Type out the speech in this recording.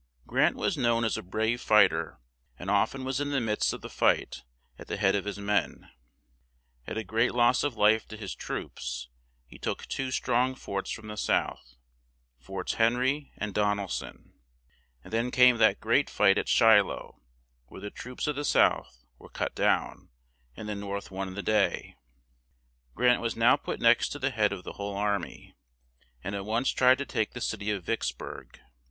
Grant was known as a brave fight er, and oft en was in the midst of the fight at the head of his men. At a great loss of life to his troops, he took two strong forts from the South, Forts Hen ry and Don el son; and then came that great fight at Shi loh; where the troops of the South were cut down, and the North won the day; Grant was now put next to the head of the whole ar my; and at once tried to take the cit y of Vicks burg.